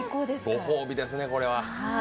ご褒美ですねこれは。